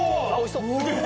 すげえ！